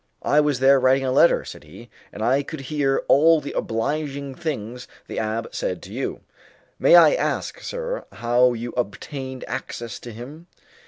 "I was there writing a letter," said he, "and I could hear all the obliging things the abbé said to you. May I ask, sir, how you obtained access to him?"